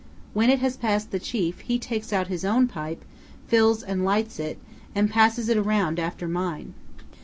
When it has passed the chief, he takes out his own pipe, fills and lights it, and passes it around after mine.